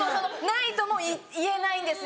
「ない」とも言えないんですよ。